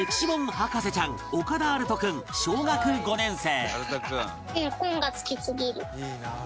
博士ちゃん岡田有史君小学５年生